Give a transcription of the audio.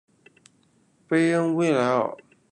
贝恩维莱尔。